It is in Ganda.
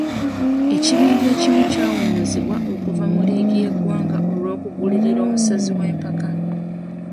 Ekibiinja ekimu kyawumuziddwa okuva mu liigi y'eggwanga olwokugulirira omusazi w'empaka.